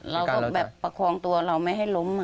เราก็แบบประคองตัวเราไม่ให้ล้ม